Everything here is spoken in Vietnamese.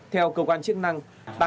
theo cơ quan chức năng